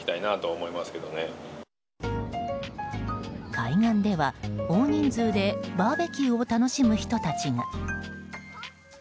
海岸では、大人数でバーベキューを楽しむ人たちが。